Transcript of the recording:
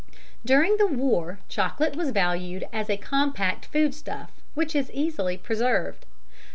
During the war chocolate was valued as a compact foodstuff, which is easily preserved.